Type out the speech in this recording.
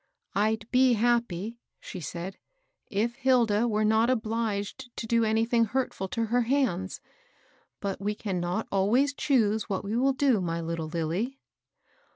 " I'd be happy," she said, " if Hilda were not obliged to do anything hurtful to her hands ; but we cannot always choose what we will do, my little Lilly."